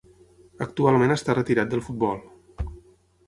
Actualment està retirat del futbol.